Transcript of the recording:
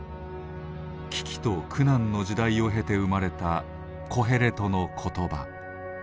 危機と苦難の時代を経て生まれた「コヘレトの言葉」。